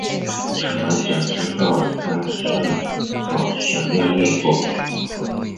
楚王想知道他是否思念越国。